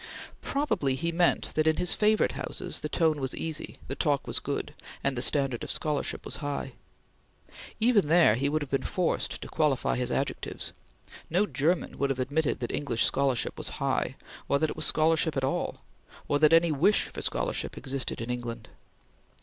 Probably he meant that, in his favorite houses, the tone was easy, the talk was good, and the standard of scholarship was high. Even there he would have been forced to qualify his adjectives. No German would have admitted that English scholarship was high, or that it was scholarship at all, or that any wish for scholarship existed in England.